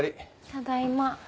ただいま。